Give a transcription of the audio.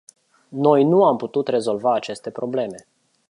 Noi nu am putut rezolva aceste probleme.